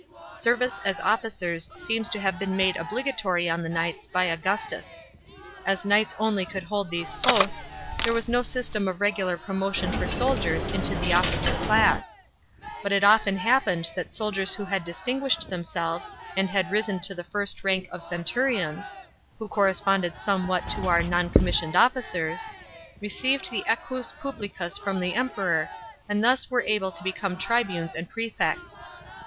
Service as officers seems to have been made obligatory on the knights by Augustus. As knights only could hold these posts, there was no system of regular promotion for soldiers into the officer class. But it often happened that soldiers who had distin guished themselves and had risen to the first rank of centurions— 42 GOVERNMENT OF PRINCEPS AND SENATE. CHAP. in. who corresponded somewhat to our "non commissioned officers*' — received the equus publicus from the Emperor, and thus wore able to become tribunes and prsefects.